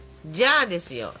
じゃあですよ